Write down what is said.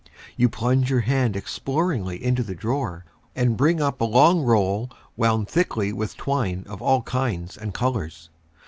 You plunge your hand exploringly into the drawer, and bring up a long roll wound thickly with twine of all kinds and colors.